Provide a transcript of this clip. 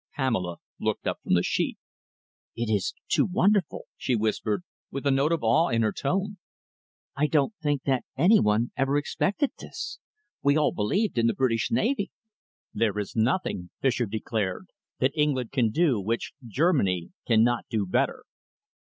Pamela looked up from the sheet. "It is too wonderful," she whispered, with a note of awe in her tone. "I don't think that any one ever expected this. We all believed in the British Navy." "There is nothing," Fischer declared, "that England can do which Germany cannot do better."